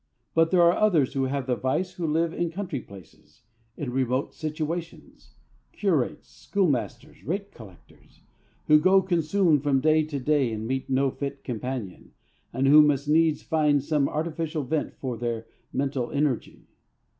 But there are others who have the vice who live in country places, in remote situations curates, schoolmasters, rate collectors who go consumed from day to day and meet no fit companion, and who must needs find some artificial vent for their mental energy.